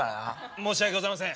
申し訳ございません。